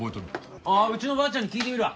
うちのばあちゃんに聞いてみるわ。